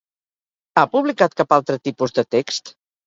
Ha publicat cap altre tipus de text?